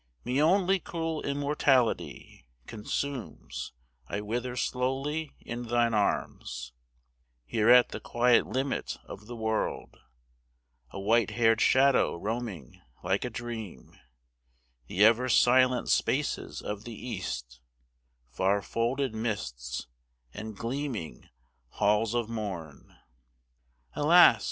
Me only cruel immortality Consumes: I wither slowly in thine arms, Here at the quiet limit of the world, A white hair'd shadow roaming like a dream The ever silent spaces of the East, Far folded mists, and gleaming halls of morn. Alas!